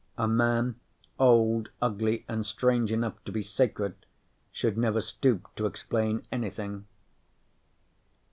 A man old, ugly and strange enough to be sacred should never stoop to explain anything.